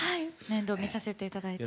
面倒みさせて頂いて。